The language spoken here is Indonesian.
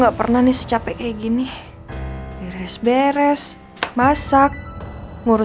kok foto profilnya gak ada